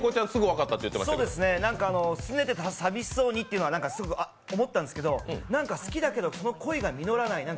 すねてて寂しそうにってすぐ思ったんですけどなんか好きだけどその恋が実らない